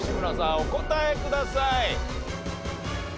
お答えください。